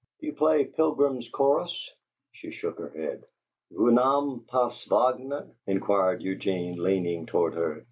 "Do you play the 'Pilgrim's Chorus'?" She shook her head. "Vous name pas Wagner?" inquired Eugene, leaning toward her.